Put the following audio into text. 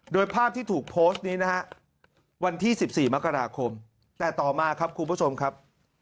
โดยภาพที่ถูกโพสต์นี้นะฮะวันที่๑๔มกราคมแต่ต่อมาครับคุณผู้ชมครับ